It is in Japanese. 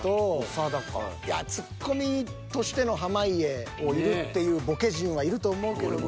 いやツッコミとしての濱家を要るって言うボケ陣はいると思うけどな。